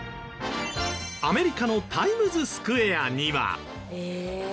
アメリカのタイムズスクエアには。